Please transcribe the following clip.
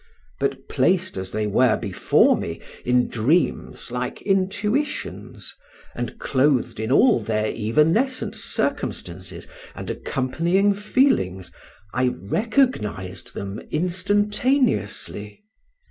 But placed as they were before me, in dreams like intuitions, and clothed in all their evanescent circumstances and accompanying feelings, I recognised them instantaneously.